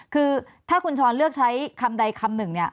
คือถ้าคุณชรเลือกใช้คำใดคำหนึ่งเนี่ย